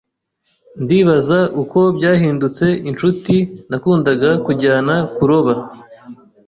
Ndibaza uko byahindutse inshuti nakundaga kujyana kuroba.